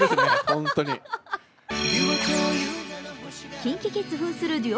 ＫｉｎＫｉＫｉｄｓふんするデュオ